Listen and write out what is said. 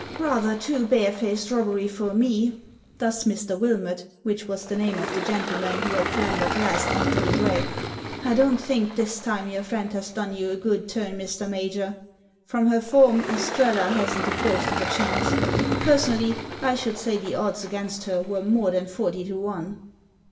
"Rather too barefaced robbery for me." Thus Mr. Wilmot, which was the name of the gentleman who had clambered last on to the drag. "I don't think this time your friend has done you a good turn, Mr. Major. From her form Estrella hasn't the ghost of a chance. Personally, I should say the odds against her were more than forty to one."